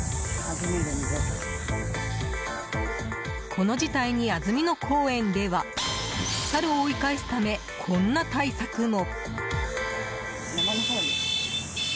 この事態にあづみの公園ではサルを追い返すためこんな対策も。